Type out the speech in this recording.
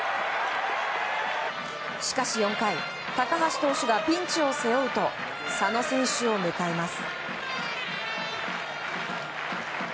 しかし４回高橋投手がピンチを背負うと佐野選手を迎えます。